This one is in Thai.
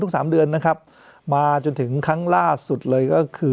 สามเดือนนะครับมาจนถึงครั้งล่าสุดเลยก็คือ